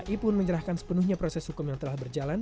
i pun menyerahkan sepenuhnya proses hukum yang telah berjalan